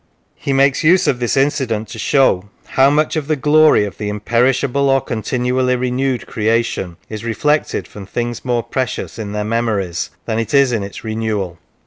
He makes use of this incident to show " how much of the glory of the imperishable or continually renewed creation is reflected from things more precious in their memories than it in its renewal."